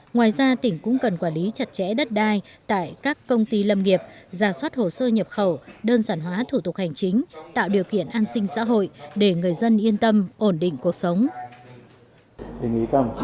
ngoài ra tỉnh cũng cần quản lý chặt chẽ đất đai tại các công ty lâm nghiệp giả soát hồ sơ nhập khẩu đơn giản hóa thủ tục hành chính tạo điều kiện an sinh xã hội để người dân yên tâm ổn định cuộc sống